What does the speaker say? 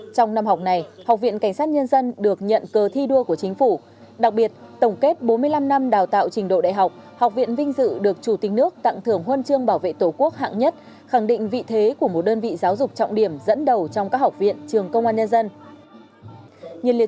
trong năm học này học viện cảnh sát nhân dân được nhận cờ thi đua của chính phủ đặc biệt tổng kết bốn mươi năm năm đào tạo trình độ đại học học viện vinh dự được chủ tịch nước tặng thưởng huân chương bảo vệ tổ quốc hạng nhất khẳng định vị thế của một đơn vị giáo dục trọng điểm dẫn đầu trong các học viện trường công an nhân dân